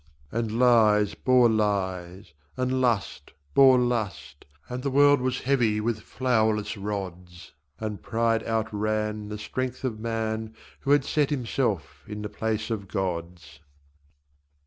And lies bore lies, And lust bore lust, And the world was heavy with flowerless rods, And pride outran The strength of man Who had set himself in the place of gods.